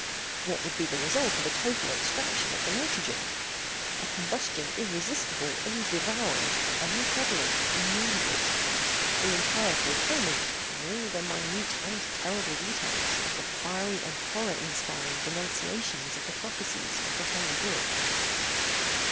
What would be the result of a total extraction of the nitrogen? A combustion irresistible, all devouring, omni prevalent, immediate;—the entire fulfilment, in all their minute and terrible details, of the fiery and horror inspiring denunciations of the prophecies of the Holy Book.